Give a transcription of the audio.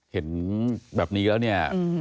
เห็นแบบนี้แล้วเนี่ย